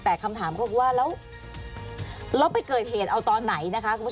แต่คำถามก็ว่าแล้วแล้วไปเกิดเหตุเอาตอนไหนนะคะ